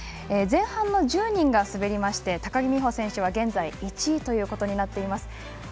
前半の１０人が滑りまして高木美帆選手は現在１位ということになっています。